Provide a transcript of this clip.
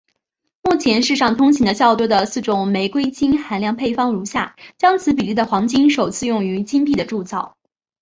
目前世上通行的较多的四种玫瑰金含量配方如下将此比例的黄金首次用于金币的铸造。